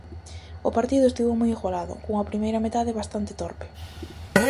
O partido estivo moi igualado, cunha primeira metade bastante torpe.